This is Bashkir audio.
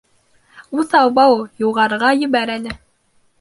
Уҫал Балу, юғарыға ебәр әле.